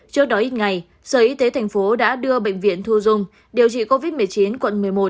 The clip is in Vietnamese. trước đó ít ngày sở y tế thành phố đã đưa bệnh viện thu dung điều trị covid một mươi chín quận một mươi một